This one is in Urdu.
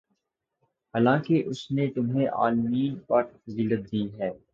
حالانکہ اس نے تمہیں عالمین پر فضیلت دی ہے